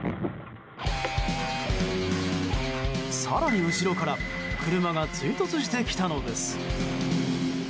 更に後ろから車が追突してきたのです。